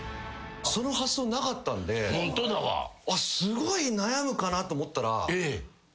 その発想なかったんですごい悩むかなと思ったら。